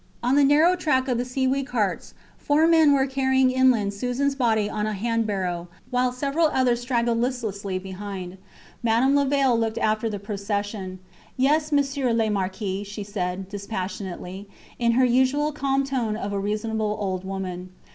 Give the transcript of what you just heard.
On the narrow track of the seaweed carts four men were carrying inland Susans body on a hand barrow, while several others straggled listlessly behind. Madame Levaille looked after the procession. Yes, Monsieur le Marquis, she said dispassionately, in her usual calm tone of a reasonable old woman.